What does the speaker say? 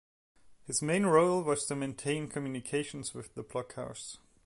His main role was to maintain communications with the blockhouse.